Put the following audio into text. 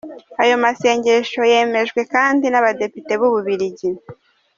Ayo masezerano yemejwe kandi n’abadepite b’u Bubiligi.